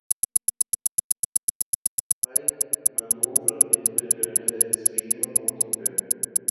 Pike mantuvo un fragmento del cráneo de su víctima como "trofeo".